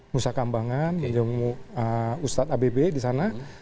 nusa kambangan menjamu ustadz abb di sana